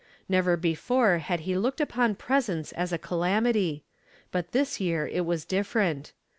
Never before had he looked upon presents as a calamity; but this year it was different.